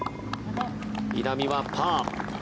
稲見はパー。